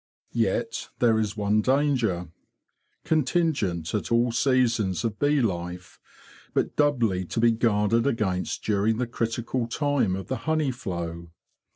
Yet there is one danger—contingent at all seasons of bee life, but doubly to be guarded against during the critical time of the honey flow.